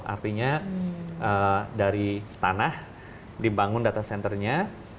artinya dari tanah dibangun data centernya